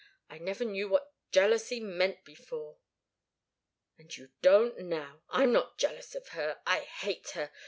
I never knew what jealousy meant before " "And you don't now. I'm not jealous of her I hate her.